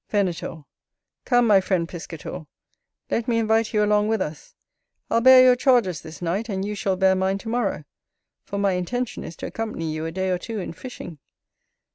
Venator. Come, my friend Piscator, let me invite you along with us. I'll bear your charges this night, and you shall bear mine to morrow; for my intention is to accompany you a day or two in fishing.